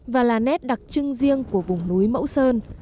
và là nét đặc trưng riêng của vùng núi mẫu sơn